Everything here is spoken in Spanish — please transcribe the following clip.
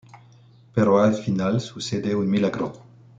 Pero al final sucede un milagro...